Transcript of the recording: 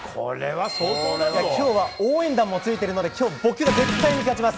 今日は応援団もついているので僕が絶対に勝ちます！